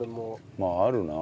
まああるな。